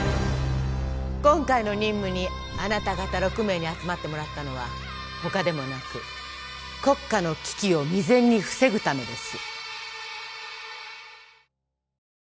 今回の任務にあなた方６名に集まってもらったのはほかでもなく国家の危機を未然に防ぐためです